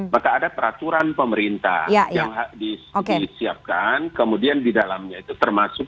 maka ada peraturan pemerintah yang disiapkan kemudian di dalamnya itu termasuk